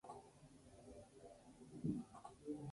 Los dos presos mueren al huir.